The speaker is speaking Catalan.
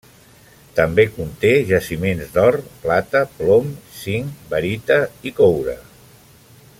També conté jaciments d'or, plata, plom, zinc, barita i coure.